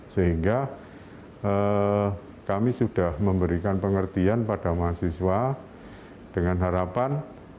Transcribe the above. sehingga kami sudah memberikan pengertian pada mahasiswa dengan harapan